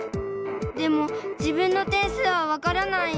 でも自分の点数はわからない。